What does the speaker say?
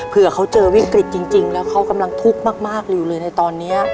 เผื่อเขาเจอวิกฤตจริงแล้วเขากำลังทุกข์มากอยู่เลยในตอนนี้